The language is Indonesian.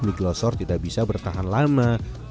mie glosor tidak bisa bertahan lama